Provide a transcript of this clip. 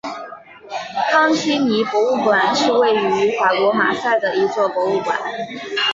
康提尼博物馆是位于法国马赛的一座博物馆。